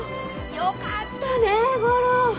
よかったね吾良！